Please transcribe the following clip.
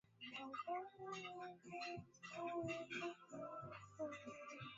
Wafanyabiashara wameshauriwa kuchukua tahadhari, ama kwa kuchelewesha uagizaji bidhaa au kutumia njia mbadala ya kati.